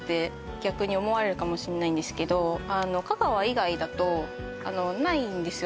逆に思われるかもしんないんですけど香川以外だとないんですよ